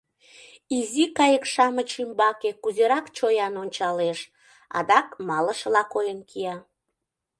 Изи кайык-шамыч ӱмбаке кузерак чоян ончалеш, адак малышыла койын кия.